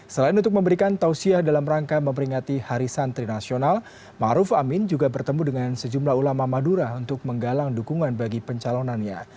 selain untuk memberikan tausiah dalam rangka memperingati hari santri nasional ⁇ maruf ⁇ amin juga bertemu dengan sejumlah ulama madura untuk menggalang dukungan bagi pencalonannya